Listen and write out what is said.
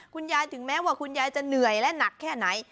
ถึงแม้ว่าคุณยายจะเหนื่อยและหนักแค่ไหน